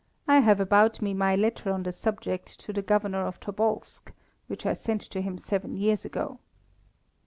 I have about me my letter on the subject to the Governor of Tobolsk, which I sent to him seven years ago."